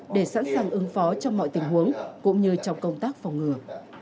để sẵn sàng ứng phó trong mọi tình huống cũng như trong công tác phòng ngừa